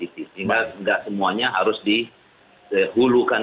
sehingga tidak semuanya harus dihulukan